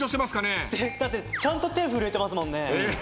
だってちゃんと手震えてますもんね。